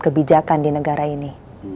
kebijakan di negara ini